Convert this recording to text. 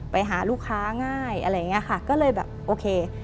ไปหาลูกค้าง่ายอะไรอย่างนี้ค่ะก็เลยแบบโอเค